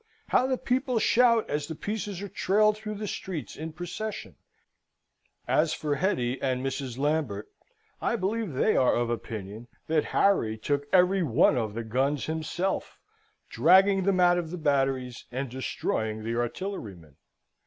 How the people shout as the pieces are trailed through the streets in procession! As for Hetty and Mrs. Lambert, I believe they are of opinion that Harry took every one of the guns himself, dragging them out of the batteries, and destroying the artillerymen.